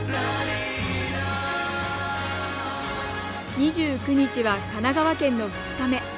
２９ 日は神奈川県の２日目。